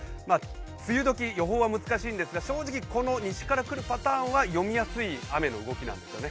梅雨時、予報は難しいのですが、正直、ここの西から来るパターンは読みやすい雨の動きなんですね。